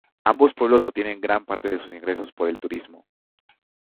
Ambos pueblos obtienen gran parte de sus ingresos por el turismo.